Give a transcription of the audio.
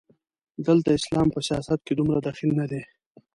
دلته اسلام په سیاست کې دومره دخیل نه دی.